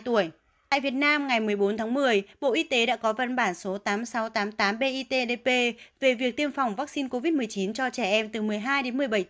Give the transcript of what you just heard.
tại việt nam ngày một mươi bốn tháng một mươi bộ y tế đã có văn bản số tám nghìn sáu trăm tám mươi tám bitdp về việc tiêm phòng vaccine covid một mươi chín cho trẻ em từ một mươi hai đến một mươi bảy